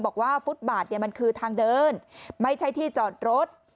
ฟุตบาทเนี่ยมันคือทางเดินไม่ใช่ที่จอดรถ